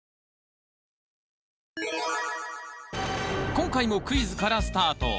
今回もクイズからスタート。